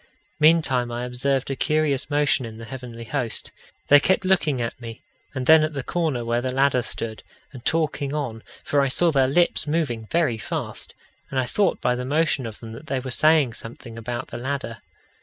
Meantime I observed a curious motion in the heavenly host. They kept looking at me, and then at the corner where the ladder stood, and talking on, for I saw their lips moving very fast; and I thought by the motion of them that they were saying something about the ladder.